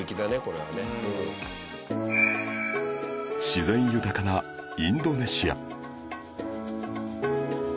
自然豊かなインドネシア